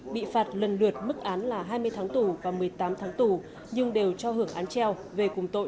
bị phạt lần lượt mức án là hai mươi tháng tù và một mươi tám tháng tù nhưng đều cho hưởng án treo về cùng tội